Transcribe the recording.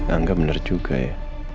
angga bener juga ya